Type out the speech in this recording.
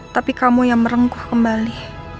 tapi kamu yang merengkuh kembali